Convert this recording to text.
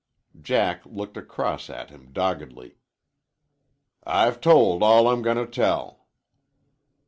Jack looked across at him doggedly. "I've told all I'm going to tell."